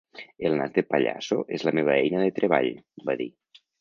El nas de pallasso és la meva eina de treball, va dir.